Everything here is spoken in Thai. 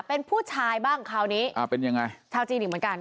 เป็นผู้ชายบ้างคราวนี้อ่าเป็นยังไงชาวจีนอีกเหมือนกัน